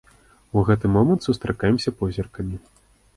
У гэты момант сустракаемся позіркамі.